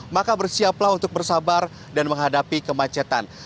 maka bersiaplah untuk bersabar dan menghadapi kemacetan